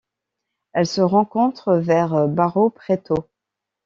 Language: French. Elle se rencontre vers Barro Preto.